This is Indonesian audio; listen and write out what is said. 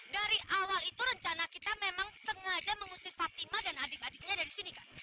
dari awal itu rencana kita memang sengaja mengusir fatima dan adik adiknya dari sini kan